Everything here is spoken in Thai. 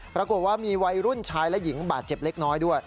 ปรากฏว่ามีวัยรุ่นชายและหญิงบาดเจ็บเล็กน้อยด้วย